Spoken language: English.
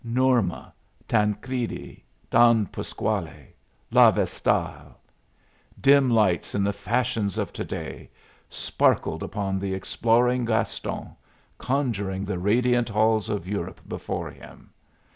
"Norma," "Tancredi," "Don Pasquale," "La Vestale" dim lights in the fashions of to day sparkled upon the exploring Gaston, conjuring the radiant halls of Europe before him.